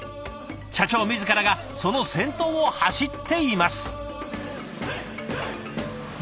社長自らがその先頭を走っています。